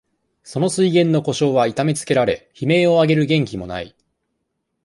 その水源の湖沼は痛めつけられ、悲鳴を上げる元気も無い。